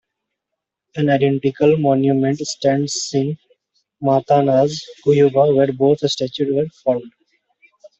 An identical monument stands in Matanzas, Cuba, where both statues were forged.